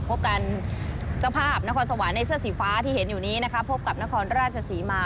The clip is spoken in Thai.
พบกันเจ้าภาพนครสวรรค์ในเสื้อสีฟ้าที่เห็นอยู่นี้นะคะพบกับนครราชศรีมา